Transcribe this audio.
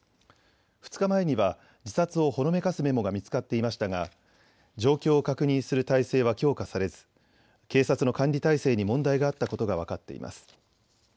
２日前には自殺をほのめかすメモが見つかっていましたが状況を確認する態勢は強化されず、警察の管理体制に問題があったことが分かっています。